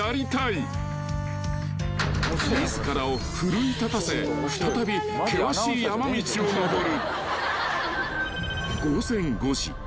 ［自らを奮い立たせ再び険しい山道を登る］